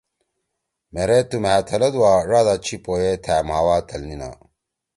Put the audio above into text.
مھیرے تُو مھأ تھلَدُوا، ڙادا چھی پوئے تھأ مھاوا تَھلنیِنا۔